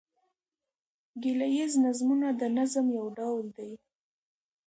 ګيله ييز نظمونه د نظم یو ډول دﺉ.